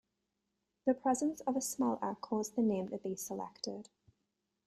The presence of a smelter caused the name to be selected.